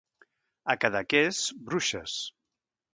A Cadaqués, bruixes.